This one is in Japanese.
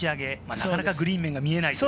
なかなかグリーン面が見えない。